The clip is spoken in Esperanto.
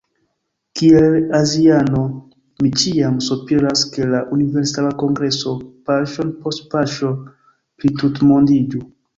Kiel aziano mi ĉiam sopiras ke la Universala Kongreso paŝon post paŝo plitutmondiĝu.